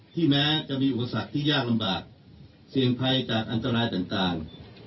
แม้จะมีอุปสรรคที่ยากลำบากเสี่ยงภัยจากอันตรายต่าง